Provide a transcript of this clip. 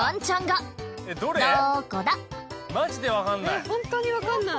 マジでわかんない。